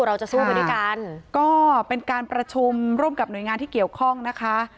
เราจะสู้ไปด้วยกันก็เป็นการประชุมร่วมกับหน่วยงานที่เกี่ยวข้องนะคะ